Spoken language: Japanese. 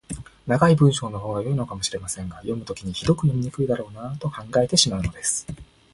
長い文章のほうが良いのかもしれませんが、読むときにひどく読みにくいだろうなと考えてしまうのです。